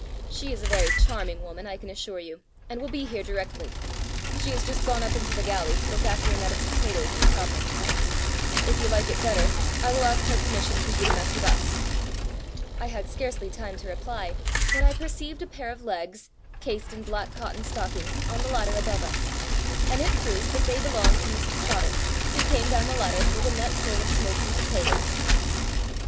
She is a very charming woman, I can assure you, and will be here directly; she has just gone up into the galley to look after a net of potatoes in the copper. If you like it better, I will ask her permission for you to mess with us." I had scarcely time to reply, when I perceived a pair of legs, cased in black cotton stockings, on the ladder above us, and it proved that they belonged to Mrs Trotter, who came down the ladder with a net full of smoking potatoes.